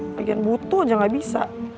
pengen butuh aja gak bisa